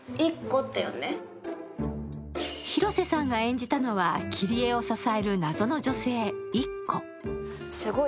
広瀬さんが演じたのはキリエを支える謎の女性・イッコ。